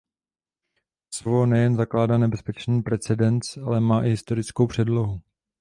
Kosovo nejen zakládá nebezpečný precedens, ale má i historickou předlohu.